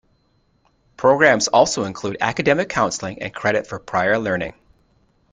Programs also include academic counseling and credit for prior learning.